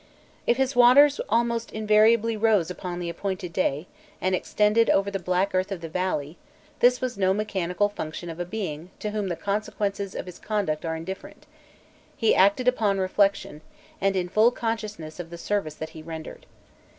If his waters almost invariably rose upon the appointed day and extended over the black earth of the valley, this was no mechanical function of a being to whom the consequences of his conduct are indifferent; he acted upon reflection, and in full consciousness of the service that he rendered.